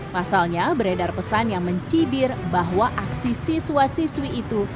pasalnya beredar pesan yang mencibir bahwa aksi siswa siswi itu